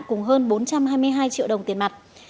cùng hơn bốn trăm hai mươi hai triệu đồng tiền mặt